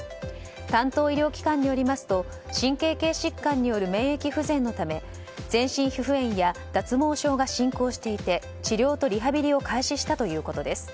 担当医療機関によりますと神経系疾患による免疫不全のため全身皮膚炎や脱毛症が進行していて治療とリハビリを開始したということです。